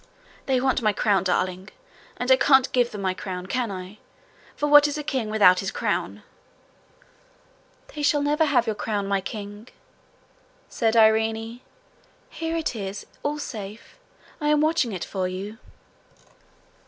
'They want my crown, darling; and I can't give them my crown, can I? For what is a king without his crown?' 'They shall never have your crown, my king,' said Irene. 'Here it is all safe. I am watching it for you.'